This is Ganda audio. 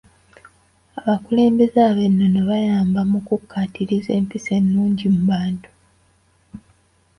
Abakulembeze ab'ennono bayamba mu kukkaatiriza empisa ennungi mu bantu.